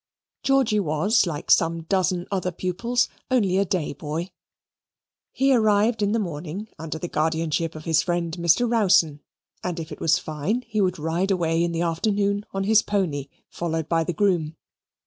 Georgy was, like some dozen other pupils, only a day boy; he arrived in the morning under the guardianship of his friend Mr. Rowson, and if it was fine, would ride away in the afternoon on his pony, followed by the groom.